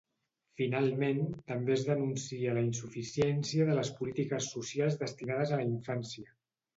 Finalment, també es denuncia la insuficiència de les polítiques socials destinades a la infància.